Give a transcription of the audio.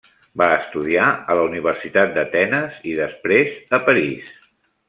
Va estudiar a la Universitat d'Atenes i després a París.